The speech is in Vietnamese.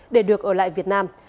để được ở lại việt nam